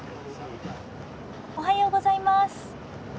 おはようございます。